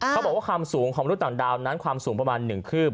เขาบอกว่าความสูงของมนุษย์ต่างดาวนั้นความสูงประมาณ๑คืบ